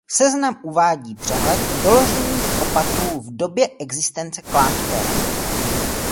Seznam uvádí přehled doložených opatů v době existence kláštera.